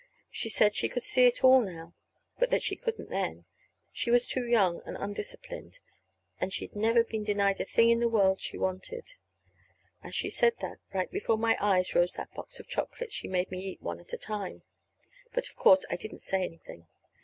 She said she could see it all now, but that she couldn't then, she was too young, and undisciplined, and she'd never been denied a thing in the world she wanted. As she said that, right before my eyes rose that box of chocolates she made me eat one at a time; but, of course, I didn't say anything!